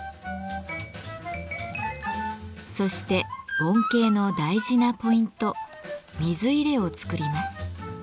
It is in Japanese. そして盆景の大事なポイント水入れを作ります。